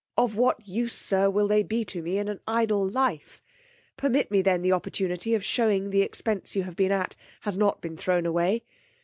Of what use, sir, will they be to me in an idle life? permit me then the opportunity of showing the expense you have been at has not been thrown away.